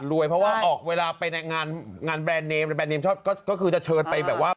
รวยเพราะว่าออกเวลาไปงานงานแบรนด์เนมชอบก็จะเชิญไปแบบว่า